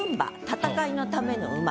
戦いのための馬。